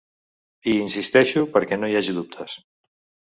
Hi insisteixo perquè no hi hagi dubtes.